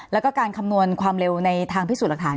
แล้วก็การคำนวณความเร็วในทางพิสูจน์หลักฐาน